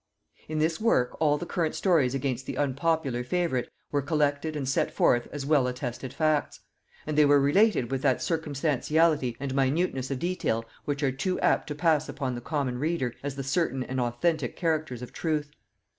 In this work all the current stories against the unpopular favorite were collected and set forth as well attested facts; and they were related with that circumstantiality and minuteness of detail which are too apt to pass upon the common reader as the certain and authentic characters of truth.